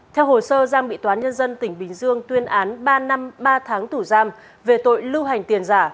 theo hồ sơ giang bị toán nhân dân tỉnh bình dương tuyên án ba năm ba tháng tù giam về tội lưu hành tiền giả